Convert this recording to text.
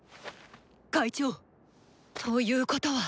会長！ということは。